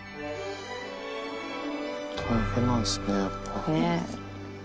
大変なんすね、やっぱ。